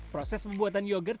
proses pembuatan yogurt